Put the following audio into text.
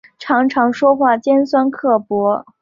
常常说话尖酸刻薄